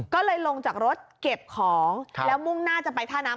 ก็เลยลงจากรถเก็บของแล้วมุ่งหน้าจะไปท่าน้ำ